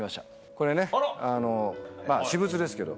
これねまぁ私物ですけど。